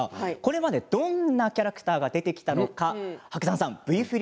これまでどんなキャラクターが出てきたんでしょうか。